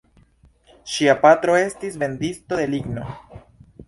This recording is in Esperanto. Ŝia patro estis vendisto de ligno.